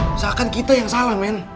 misalkan kita yang salah men